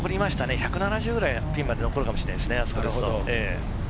１７０くらいまで、ピンまで残るかもしれないですね。